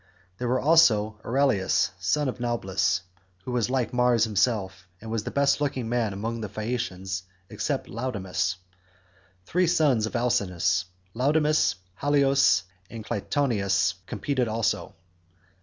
There was also Euryalus son of Naubolus, who was like Mars himself, and was the best looking man among the Phaeacians except Laodamas. Three sons of Alcinous, Laodamas, Halios, and Clytoneus, competed also.